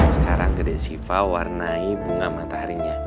sekarang gede siva warnai bunga mataharinya